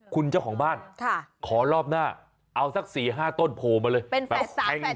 คุณเจ้าของบ้านขอรอบหน้าเอาสัก๔๕ต้นโผล่มาเลย